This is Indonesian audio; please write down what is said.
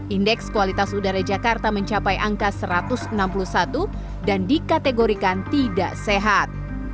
indeks kualitas udara jakarta mencapai angka satu ratus enam puluh satu dan dikategorikan tidak sehat